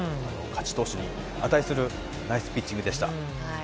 勝ち投手に値するナイスピッチングでした。